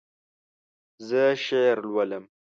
زه شعر لولم.